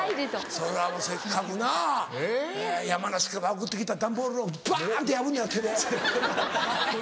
そりゃもうせっかくな山梨から送って来た段ボールをバンって破んのやろ？